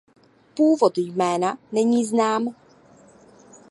Původ jména není znám.